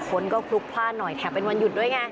คนก็คลุกพลาดหน่อยแถมเป็นวันหยุดด้วยไง